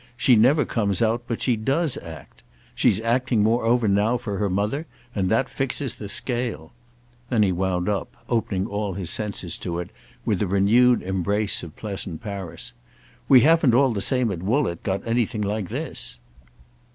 She never comes out but she does act. She's acting moreover now for her mother, and that fixes the scale." Then he wound up, opening all his senses to it, with a renewed embrace of pleasant Paris. "We haven't all the same at Woollett got anything like this."